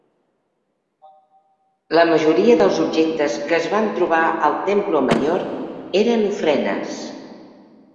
La majoria dels objectes que es van trobar al Templo Mayor eren ofrenes.